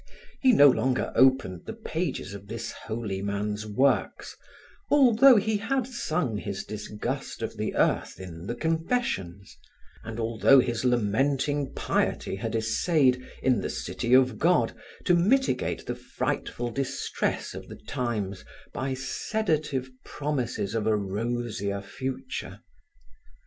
He no longer opened the pages of this holy man's works, although he had sung his disgust of the earth in the Confessions, and although his lamenting piety had essayed, in the City of God, to mitigate the frightful distress of the times by sedative promises of a rosier future.